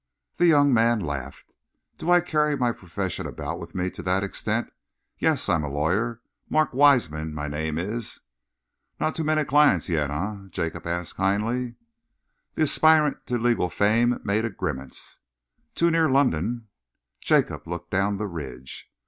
The young man laughed. "Do I carry my profession about with me to that extent? Yes, I'm a lawyer. Mark Wiseman, my name is." "Not too many clients yet, eh?" Jacob asked kindly. The aspirant to legal fame made a grimace. "Too near London." Jacob looked down the ridge.